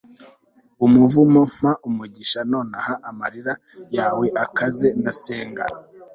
umuvumo, mpa umugisha nonaha amarira yawe akaze, ndasenga